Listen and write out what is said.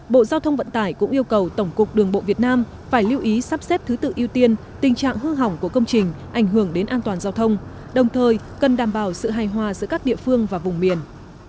bộ giao thông vận tải cũng yêu cầu tổng cục đường bộ việt nam phải lưu ý sắp xếp thứ tự ưu tiên tình trạng hư hỏng của công trình ảnh hưởng đến an toàn giao thông đồng thời cần đảm bảo sự hài hòa giữa các địa phương và vùng miền